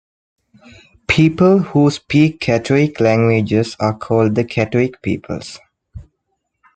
People who speak Katuic languages are called the Katuic peoples.